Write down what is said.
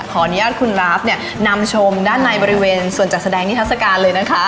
ขออนุญาตคุณราฟเนี่ยนำชมด้านในบริเวณส่วนจัดแสดงนิทัศกาลเลยนะคะ